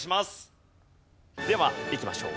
ではいきましょう。